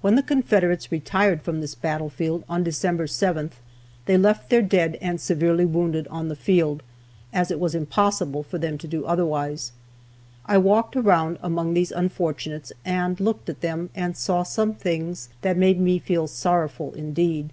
When the Confederates retired from this battlefield of December 7th, they left their dead and severely wounded on the field, as it was impossible for them to do otherwise. I walked around among these unfortunates, and looked at them, and saw some things that made me feel sorrowful indeed.